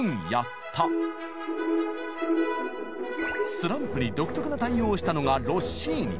スランプに独特な対応をしたのがロッシーニ。